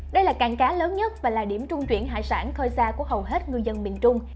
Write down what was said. đây là cảng cá lớn nhất và là điểm trung chuyển hải sản khơi xa của hầu hết ngư dân miền trung